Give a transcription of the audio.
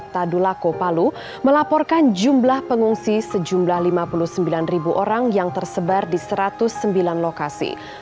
tadulako palu melaporkan jumlah pengungsi sejumlah lima puluh sembilan orang yang tersebar di satu ratus sembilan lokasi